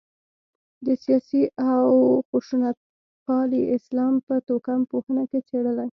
د سیاسي او خشونتپالي اسلام په توکم پوهنه کې څېړلای.